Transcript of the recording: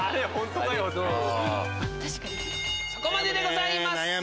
そこまででございます。